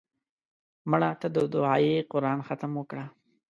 مړه ته د دعایي قرآن ختم وکړه